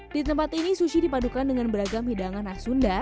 di tempat ini sushi dipadukan dengan beragam hidangan khas sunda